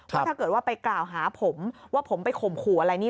ว่าถ้าเกิดว่าไปกล่าวหาผมว่าผมไปข่มขู่อะไรนี่